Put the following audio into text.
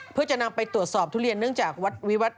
เพื่อจะนำไปตรวจสอบทุเรียนเนื่องจากวัดวิวัต